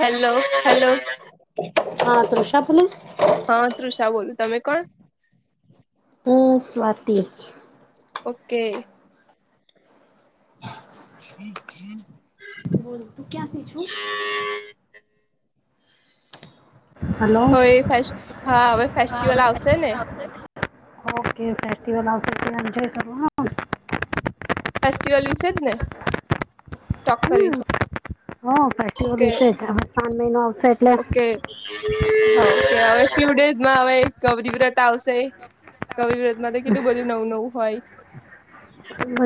Hello hello હા તૃષા બોલો- હા તૃષા બોલુ તમે કોણ હું સ્વાતિ. ઓકે ઠી છે [inaudible] બોલ તું ક્યાંથી છો? હલો હવે ફેસ હા હવે હ ફેસ્ટિવલ આવશે ને ઓકે ફેસ્ટિવલ આવશેર કે જોઈ શકો- ફેસ્ટિવલ વિશે જ ને- ટોક કરવી હમ છે હ ફ્ટઓ ઓકે રશે જ હવે ત્રણ મહિનો આવશે એટલે- કે હવે ફ્યુ ડેઝમાં હ ગભરી વ્રત આવશે- કવિ વરતમાં કેટલું બધું નવું નવું હોય.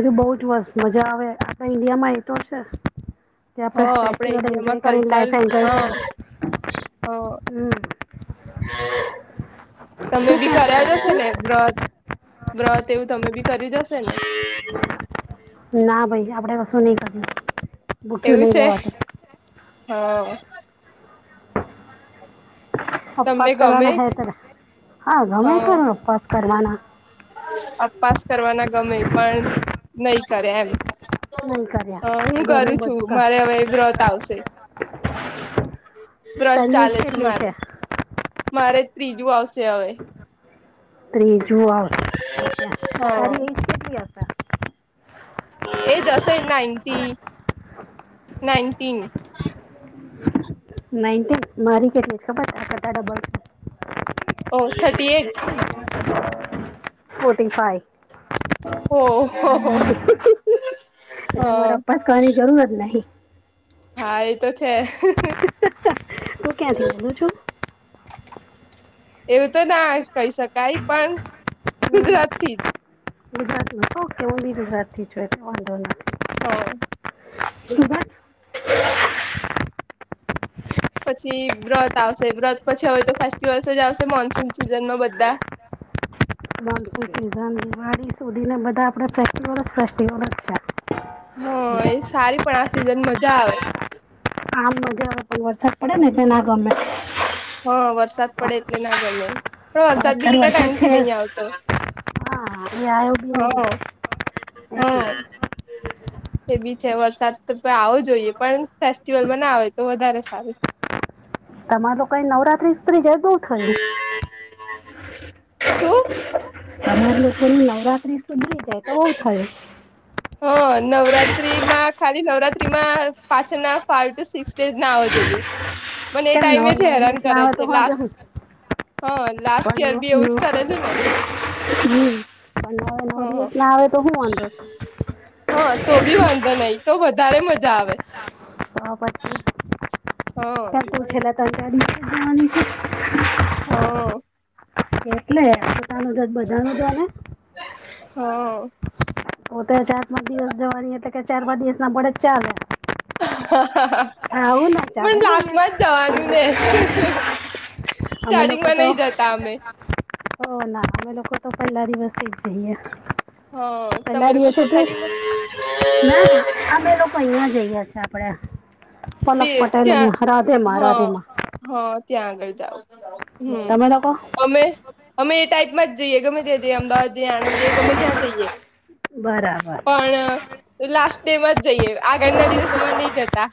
જુ બઉ જ વસ મજા આવે આ ઈન્ડિયામાં એતો હશે- તે આપણે હ આપડે ફેસ્ટિવલ ઇન્ડિયામાં એન્જોય કરીે કલ્ચર લઇફ એન્જોય હા કરીશ. હ હમ તમે તું બી ક્યાંથી કર્યા બોલે હશે છે ને- વ્રત વ્રત એવું તમે બી કરી જશે ને ના ભાઈ આપણેે કશું નહી કર- એવું છે હા- તમને અપવાસ ગમે કરવાના હે ત હા ગમે ત અપવાસ કરવાના- અપાસ કરવાના ગમે પણ નહી કરે એમ- નહીં અહ કર્યા હું કરું ઘરનું છું બધું કામ મારે હવે વ્રત આવશે, વ્રત તારી એજ ચાલે છે કેટલી મારું. મારે ત્રીજું આવશે હવે. ત્રીજુ આવ [unintelligible] તારી હ એજ કેટલી અતાર? એજ હશે નાઈન્ટી, નાઇન્ટીન. નાઈન્ટીન? મારી કેટલી છ ખબર છ? આ તો તારો [inaudible] ઓહ થર્ટી એઈટ. Forty five. ઓહ, હા. [unintelligible] જરૂરત નહીં. હા એ તો છે. તું ક્યાંથી બોલું છું? એવું તો ના કહી શકાય, પણ ગુજરાત થી જ. ગુજરાત માં [unintelligible] [unintelligible] હા. [unintelligible] પછી વ્રત આવશે, વ્રત પછી હવે તો ફેસ્ટિવલ્સ જ આવશે મોનસૂન સિઝનમાં બધા. મોન્સૂન સિઝન દિવાળી સુધીને બધા આપણે ફેસ્ટીવલ જ ફેસ્ટીવલ જ છે. હા એ સારી પણ આ સિઝન મજા આવે. આમ મજા આવ પણ વરસાદ પડે ને એટલે ના ગમે. હા, વરસાદ પડે પણ એટલે ના ગમે, પણ વરસાદ બી અત્યારે કેટલા વરસાદ ટાઈમ થી છે નહી આવતો. હા એ આવ્યો બી હા, નહીં એટલે હા. એ બી છે, વરસાદ તો પહીં આવો જોઈએ, પણ ફેસ્ટિવલમાં ના આવે તો વધારે સારું. તમાર લોકોએ નવરાત્રીએ સ્ત્રી જાય બોવ. શું? અમાર લોકોની નવરાત્રી સુધી [unintelligible] હા નવરાત્રી માં ખાલી નવરાત ત્રીમાં પાછળ ના ફાઈવ ટુ સિક્સ ડે ના આવો જોઈએ. પન એ કેમ નવ ટાઈમે જ નવ હેરાન દિવસ કરે લાવે તો છે, વાંધો લાસ્ટ શું હા, લાસ્ટ યર બી એવું જ કરેલું ને. હમ્મ. પણ નવે હ નવ દિવસ ના આવે તો હું વાંધો છે? હા, તો બી વાંધો નહીં, તો વધારે મજા આવે. હા પછી હ [inaudible] હા. એટલે છે [unintelligible] તાર નો જ, બધા નો જાવાના. હા. પોતે ચાર પાંચ દિવસ જવાની એટલે કે ચાર પાંચ દિવસ ના પડે તો ચાલે. આ આવું ન પણ ચાલે હો યાર. લાસ્ટમાં જ જવાનું ને અમે લોકો સ્ટાર્ટિંગમાં તો નહી જતા અમે અહ ના અમે લોકો તો પહેલા દિવસે જ જઈએ. હ તમે પેલા લોકો દિવસે સોસાયટીમાં [unintelligible] ના ના અમે લોક તો અહીયા જઈએ છીએ આપડે. બે ત્યાં રાધેમાં હા. રાધેમાં હા, ત્યાં આગળ જાવ હમ્મ તમે લોકો અમે અમે એ ટાઈપમાં જઈએ ગમે ત્યાં જઈએ અમદાવાદ જએ આણંદ જએ ગમે ત્યાં જઈએ. બરાબર. તો લાસ્ટ ડે માં જ જઈએ, આગળના દિવસોમાં નહીં જતા.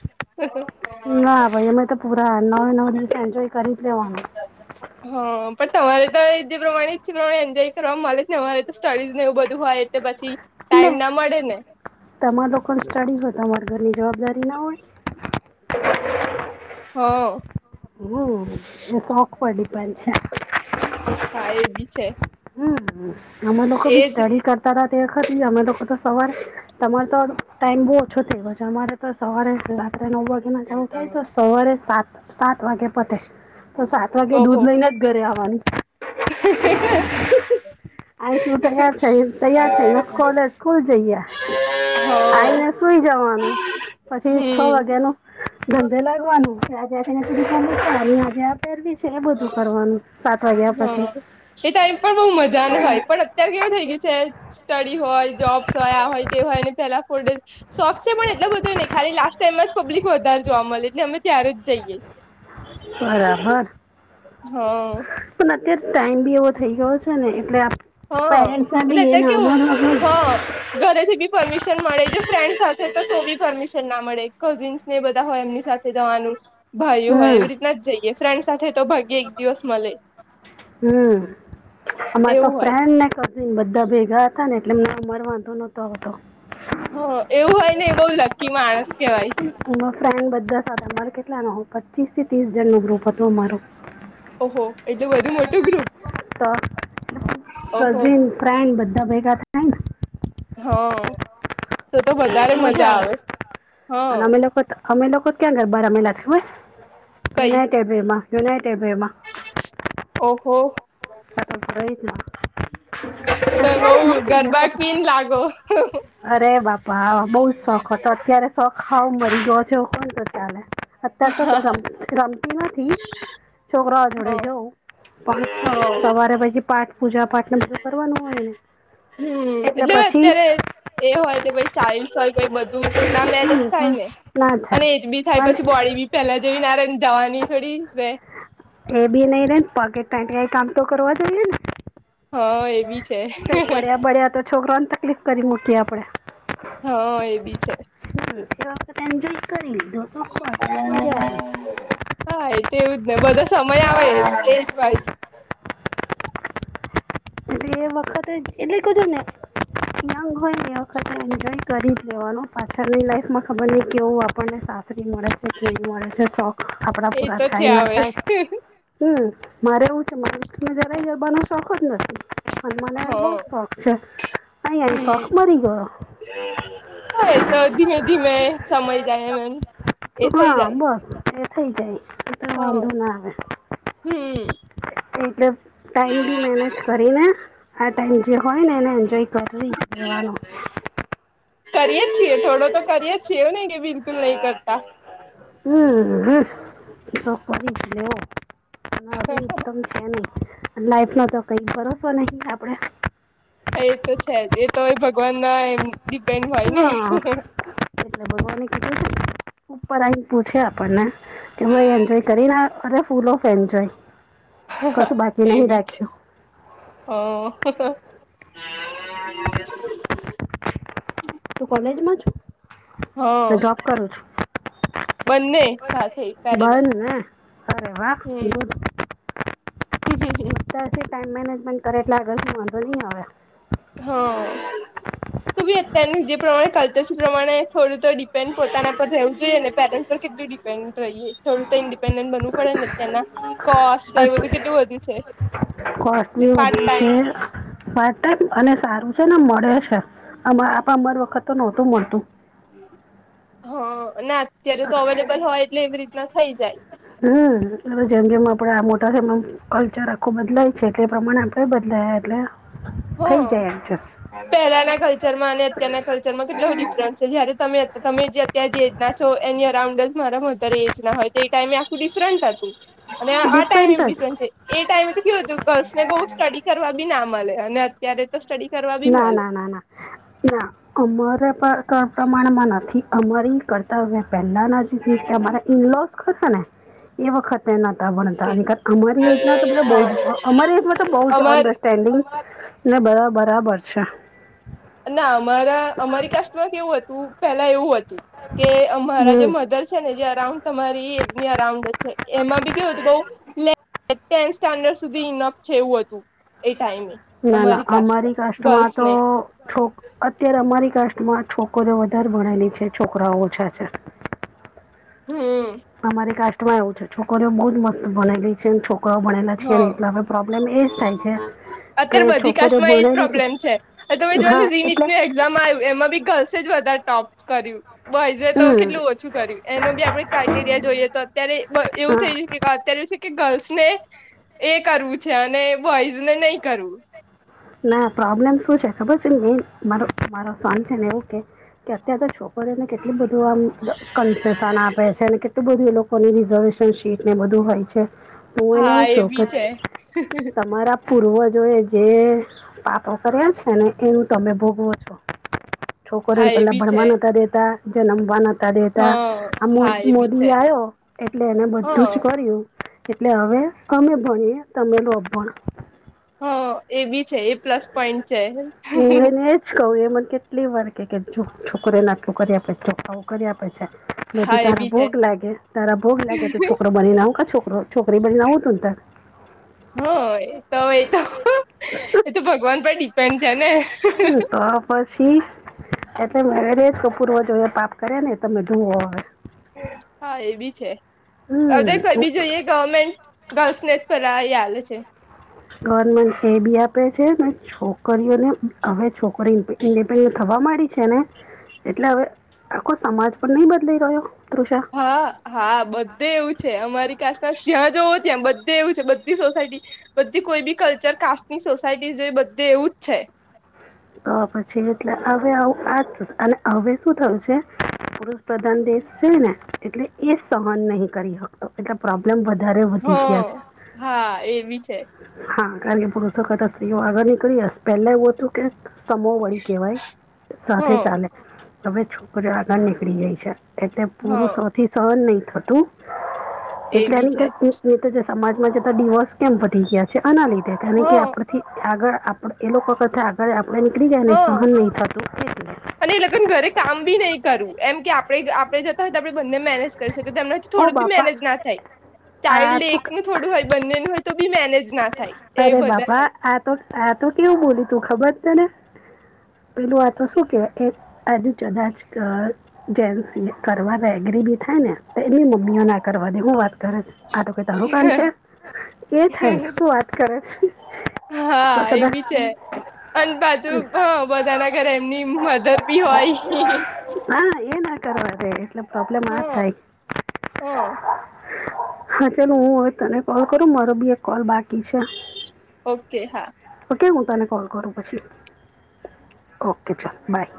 ના ભાઈ અમે તો પુરા નવે નવ દિવસ એન્જોય કરી જ લેવાનું. [inaudible] હા. પણ તમારે તો એ જે પ્રમાણે જે પ્રમાણે એન્જોય કરવા મલેત ને, અમારે તો સ્ટડીઝ ને એવું બધું હોય એટલે પછી ટાઈમ ના મળે ને. તમાર લોકો સ્ટડી હોય તમારે ઘરની જવાબદારી ના હોય? હઓ. હમ્મ, એ શોખ પર ડીપેન છે. હા, એ બી છે. હમ્મ, અમે લોકો બી એજ સ્ટડી કરતા હતા તે વખત અમે લોકો તો સવાર તમારે તો ટાઈમ બહુ ઓછો થઈ ગયો છે અમારે તો સવારે રાત્રે નવ વાગ તેમ ઘણું થાય તો સવારે સાત સાત વાગે પતે તો સાત વાગે ઓહો દૂધ હ લઈને જ ઘરે આવાનું. આહી શું તૈયાર થ તૈયાર થને કોલેજ ખુલ જઈયા આઈયા સુઈ જવાનું પછી છ હમ વાગ્યા નું ધંધે લાગવાનું ત્યાં જ્યાંને સુધી તને ત્યાં અહીંયા જે પેરવી છે એ બધું કરવાનું સાત વાગ્યા પછી. હા એ ટાઈમ પર બહુ મજા ન હોય પણ અત્યારે કેવું થઈ ગયું છે સ્ટડી હોય જોબ્સ હોય આ હોય તે હોય ને પેલા ફોર ડેઝ શોખ છે પણ એટલો બધો નહીં ખાલી લાસ્ટ ટાઈમમાં જ પબ્લિક વધારે જોવા મળે એટલે અમે ત્યારે જ જઈએ. બરાબર. હા. પણ અત્યારે ટાઈમ બી એવો થઈ ગયો છે ને એટલે હા પેરેન્ટસ ને અને બી એ અત્યારે નાનો કેવું નાનો હા ઘરેથી બી પરમિશન મળે જો ફ્રેન્ડ સાથે તો તો બી પરમિશન ના મળે કઝિન્સ ને બધા હોય એમની સાથે જવાનું. ભાઈયો હોય હમ એવી રીતના જઈએ ફ્રેન્ડ સાથે તો ભગી એક દિવસ મલે. હમ્મ, અમારે તો એવું હોય ફ્રેન્ડ ને ક હમ્મ બધા ભેગા હતા ને એટલે મારે વાંધો નહતો આવતો. હો એવું હોય ને એ બહુ લકી માણસ કેવાય. ફ્રેન્ડ બધા સાથે અમારે કેટલા ન પચીસ થી ત્રીસ જણ નું ગ્રુપ હતું અમારું. ઓહો એટલે બધુ મોટું ગ્રુપ? તો ઓહો કઝિન ફ્રેન્ડ બધા ભેગા થાય ને હા, તો તો વધારે મજા આવે અને હા. અમે લોકો અમે લોકો કત્યાં ગરબા રમેલા છે ખબરસ કઈ યુનાઈટેડ વેમાં યુનાઇટેડ વેમાં. ઓહો. તા તો [inaudible] તો બઉ ગરબા ક્વીન લાગો. અરે બાપા બઉ જ શોખ હતો અત્યારે શોખ શાવ મરી ગયો છે એવું કહું તો ચાલે. અત્યારે તો હા ર રમતી નથી છોકરાઓ જોડે જવું પણ હા હમ મારે પછી પાઠ પૂજા પાઠ ને બધું કરવાનું હોય ને હમ્મ એટલે અત્યારે એ હોય કે ભઈ ચાલ્સ હોય બધું ના મેનેજ થાય ને ના અને થાય એજ બી થાય પણ પછી બોડી બી પેલા જેવી ના રેહ ને જવાની થોડી વે એ બી નહી રે પગેટ કામ તો કરવા જઈએ ને. હા એ બી છે કઈ પડ્યા પડ્યા તો છોકરાને તકલીફ કરી મૂકી આપડે. હા, એ બી છે. હમ્મ, એ વખતે એન્જોય કરી લીધું હા તેવુંજ ને બધો સમય આવે એ જ, એ વખતે એટલે કો છું ને યંગ હોય એ વખતે એન્જોય કરી જ લેવાનો પાછળની લાઈફમાં ખબર નહી કેવું આપણને સા સહી મળ છે. કેવી મળે છે શોખ આપડા એ પૂરા તો છે થાય ના આવે થાય હમ મારે એવું છે મારે, મને જરાય ગરબા નો શોખ જ નથી પણ મને હ બહુ જ શોખ છે. અહી શોખ મરી ગયો. હ એ તો ધીમે ધીમે સમય જાય એમ. એ થઈ હા જાય બસ એ થઇ જાય એટલો હ વાંધો ના આવે. હમ એટલે ટાઈમ બી મેનેજ કરીને આ ટાઈમ જે હોય ને એને એન્જોય, તરવીવાનું [inaudible] કરીએ જ છીએ થોડો તો કરીએ જ છીએ એવું નઈ કે બિલકુલ નહી કરતા. હમ હ શ કરી... એકદમ છે નહી લાઈફ ન તો કઈ ભરોસો નહી. આપડા એ તો છે જ એ તો હો ભગવાન ના એમ, ડીપેન્ડ [unintelligible] હા એટલે ભગવાને કીધું ઉપર આઈપુ છે આપણને. [unintelligible] કે હું એન્જોય કરીને અ ફૂલ ઓફ એન્જોય કશું બાકી એ નહી બી છે રાખ્યું. હ [unintelligible] તું કોલેજમાં છે? હા- બંને સાથે પેરેલલ બન ને અરે વાહ હમ. ગુડ હમ હમ હમ તો અ ટાઈમ મેનેજમેન્ટ કરે એટલે વાંધો નહીં હવે. હા ત બી અત્યારની જે પ્રમાણે કલ્ચર પ્રમાણે થોડું તો ડિપેન્ડ પોતાના પર રહેવું જોઈએ અને પેરેન્ટ્સ પર કેટલું? રહી થો તો ઇડિપેડન્ટ બનુ... પડેને તેના કોસ્ટ એ બધું કેટલું વધુ છે કોસ્ટ એટલે બી પાર્ટ વધ્યું છે ટાઈમ! પાર્ટ ટાઈમ અને સારું છે ને મળે છે આપ અમર વખત તો નહોતું મળતું. હા, ના અત્યારે તો અવેલેબલ હોય એટલે એવી રીતના થઈ જાય. હમ, એ જેમ જેમ આપડે આ મોટા છે એમમ- કલ્ચર આખું બદલાય છે એલે પ્રમાણે આપણે બદલાય એટલે, થઈ હમ. જાય એડજસ્ટ પહેલાના કલ્ચરમાં અને અત્યારના કલ્ચરમાં કેટલો ડિફરન્સ છે જયારે તમે, તમે જે- ત્યાં જે એજ ના છો એની અરાઉન્ડ જ મારા મધર એજ ના હોય તો એ ટાઈમે આખું ડિફરન્ટ હતું. અને આ ટાઈમ ડિફરન્ટ એ જ ડિફ્રેન્ટ છે. એ ટાઈમે તો કેું હતું ગર્લ્સ ને બહુ સ્ટડી કરવા બી ના મળતા. ન [unintelligible] ત્યારે તો સ્ટડી કરવા.. ના ના ના ના, ના. અમારા પ્રમાણમાં નથી અમારી કરતા હવે પહેલાના જ- કે ઇનલોસ કરતા ને! એ વખતે્યાંતા ભણતા કે કાર અમારી એજ ના તો બધ હા બ અમારી એજ તો બ અમારે જ.... પેન્ડિંગ ને બ બરાબર છે. ના અમારા અમારી કાસ્ટમાં કેવું હતું પેલા એવું હતું કે અમારા જે હમ મધ- ને જે અરાઉન્ડ તમારી એજની અરાઉન્ડ જ છે એમાં બી કેવું છે બઉ- ટેન્થ સ્ટાન્ડર્ડ સુધી ઇનપ છે એવું હતું એ ટાઈમે! ના ના. અમારી કાસ્ટમાં કસ્ટમાં ગર્લ્સ તો ને છોક, અત્યારે અમારી કાસ્ટમાં છોકરીઓ વધાર ભણેલી છે છોકરાઓ ઓછા છે. હમ. અમારી કાસ્ટમાં એવું છે છોકરીઓ બહુ જ મસ્ત ભણેલી છે, ન છોક છોકરાઓ ભણેલા છે કે નહી હા એટલે હવે પ્રોબ્લેમ એજ થાય છે કે અત્યારે બધી છોકરી કાસ્ટમાં એજ ભણેલી છે. હા, એટલે જેમાં એમાં બી ગર્લ્સે જ વધારે ટોપ કર્યું બોઈઝે તો હમ કેટલું ઓછું કર્યું. એનો બી આપણે ક્રઇટેરિયા જોઈએ તો અત્યારે એવું થઈ હા જ અત્યારે એ છે કે ગર્લ્સ ને, એ કરવું છે અને બોઈઝ ને નહી કરવું. ના પ્રોબ્લેમ શું છે ખબર છે મેન મારો મારો શન છે ને એવું કે, કે અત્યાર તો છોકરીઓને કેટલું બધું આમ કન્સેેશન આપે છે અને કેટલું બધું એ લોક કોની રિઝર્વેશન સીટ ને બધું હોય છે. તો હું હા એવું એ ઇચ્છું કે બી છે તમારા પૂર્વજોએ જે પાપો કર્યા છે ને, એવું તમે ભોગવો છો. છોકરોન હા એ પેહલા બી છે ભણવા નતા દેતા, જનમવા નતા નતા હ દેતા. આ હા એ બી મોદી છે આવ્યો એટલે એને હ બધું જ કર્યું. એટલે હવે અમે ભણીએ તમે રો અભણ. હા, એ બી છે. એ પ્લસ પોઈન્ટ છે. તો એ મને કેટલી વાર કે જો છોકરીન આટલું કરી આપે છોકરાઓ કરી આપે હા મેંતું એ તારા બી છે ભોગ લાગે, તારા ભોગ લાગે તો છોકરો બનીને આવું કા છોકરો છોકરી બનીન આવુતુંન તા. હ, એ તો એ તો. એ તો ભગવાન પર ડિપેન્ડ છે ને? [unintelligible] તો. પછી એટલે મેરેજ પુર્વ જનમમાં પાપ કર્યા ને તમે ધોવો અવે. હા એ બી છે, હવે હમ કઈ બી જોઈએ ગવર્મેન્ટ, ગર્લ્સને જ બધા એ આલે છે. ગવર્મેન્ટ ફી બી આપે છે ને છોકરીઓને, હવે છોકરી ઇન્ડિપેન્ડન્ટ થવા માંડી છે ને એટલે હવે આખો સમાજ પણ નહી બદલય રહ્યો તૃષા! હા હા. બધે એવું છે. અમારી કાસ્ટમાં જ્યાં જોવો ત્યાં બધે એવું છે. બધી સોસાયટી બધી કોઈ બી કલ્ચર કાસ્ટની સોસાયટી જોઈ બધે એવું જ છે. તો પછી એટલે. હવે આવું આજ અને હવે શું થયું છે પૂરું પ્રધાન દેશ છે ને, એટલે એ જ સહન નહીં કરી શકતો. એટલે પ્રોબ્લેમ વધારે હ વધી ગયા છે. હા એ બી છે હા! અને પુરુષો કરતાં સ્ત્રીઓ આગળ નીકળી હસ પેહલા એવું હતું કે સમોવન કહેવાય. હ સાથે ચાલે. હવે છોકરી આગળ નીકળી ગઈ છે. એટલે હ પુરુષોથી સહન નહીં થતું, એ એટલે બી એની છે [unintelligible] જે સમાજમાં જતા ડીવોર્સ કેમ વધી ગયા છે? આના લીધે. હ કારણ કે આપણાથી આગળ આપણે એ લોકો આગળ આપડે નીકળી ગયા હ ને સહન નહી થતું. એટલે અને એ લગન ઘરે કામ બી નહી કરવું, એમ કે આપણે જ આપણે જતા હોય તો આપણે બંને મેનેજ કરી શકે, તો એમનાથી ઓ થોડુંક બી બાપા મેનેજ ના થાય, આ ચાઇલ્ડ તો એકનું થોડું હોય બંનેનું હોય તો બી મેનેજ ના થાય એ અરે બાપા વધારે આ તો આ તો કેવું બોલી તું ખબર તને પેલું આ તો શું કેવાય કે આ તું જગા જ કર જેન્સ બી કરવાના એગ્રી બી થાય ને, તો એની મમ્મીઓ ના કરવા દે હું વાત તારું, આ તો કઈ તારું કામ છે? એ થાય શું વાત કર છ? હા એ બી છે. અન પાછું અ બધાના ઘરે એમની મધર બી હોય હા એ ના કરવા દે. એટલે પ્રોબ્લેમ હ આ થાય. હ. હા ચલ, હું હવે તને કોલ કરું મારો બી એક કોલ બાકી છે. ઓકે હા. ઓકે! હું તને કોલ કરું પછી. ઓકે. ચલ બાય.